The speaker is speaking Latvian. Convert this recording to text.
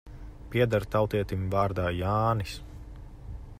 Pieder tautietim vārdā Jānis.